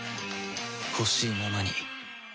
ほしいままに